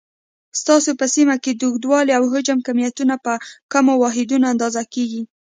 ستاسو په سیمه کې د اوږدوالي، او حجم کمیتونه په کومو واحداتو اندازه کېږي؟